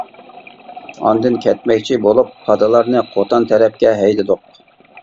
ئاندىن كەتمەكچى بولۇپ، پادىلارنى قوتان تەرەپكە ھەيدىدۇق.